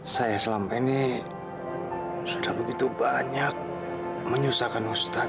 saya selama ini sudah begitu banyak menyusahkan hutan